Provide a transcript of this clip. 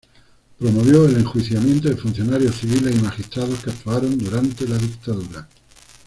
Promovió el enjuiciamiento de funcionarios civiles y magistrados que actuaron durante la dictadura.